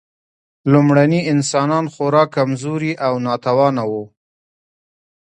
لومړني انسانان خورا کمزوري او ناتوانه وو.